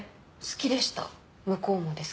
向こうもですか？